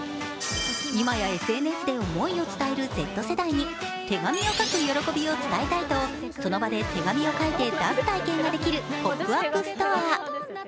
今やＳＮＳで思いを伝えるＺ世代に手紙を書く喜びを伝えたいと、その場で手紙を書いて出す体験ができる、ポップアップストア。